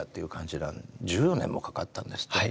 １４年もかかったんですってね。